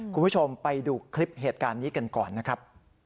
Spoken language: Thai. คุณผู้ชมไปดูคลิปเหตุการณ์นี้กันก่อนนะครับ